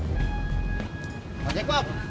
bang ojek bob